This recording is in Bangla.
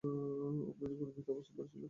ময়ূরগুলো মৃত অবস্থায় পড়ে ছিল।